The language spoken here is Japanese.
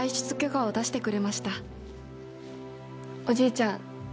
おじいちゃん。